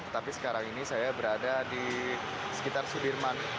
tetapi sekarang ini saya berada di sekitar sudirman